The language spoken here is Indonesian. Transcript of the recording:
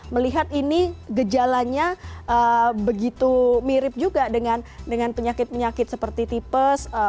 melihat ini gejalanya begitu mirip juga dengan penyakit penyakit seperti tipes